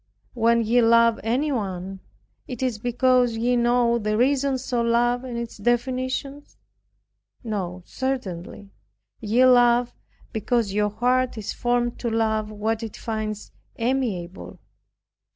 When ye love anyone, is it because ye know the reasons of love and its definitions? No, certainly. Ye love because your heart is formed to love what it finds amiable.